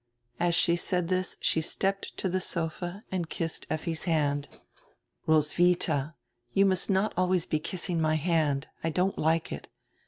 As she said this she stepped to die sofa and kissed Effi's hand. "Roswitha, you must not always be kissing my hand, I don't like it.